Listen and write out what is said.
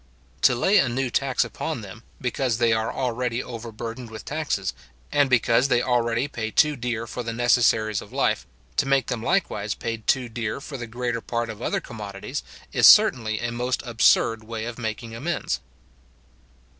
To lay a new tax upon them, because they are already overburdened with taxes, and because they already pay too dear for the necessaries of life, to make them likewise pay too dear for the greater part of other commodities, is certainly a most absurd way of making amends.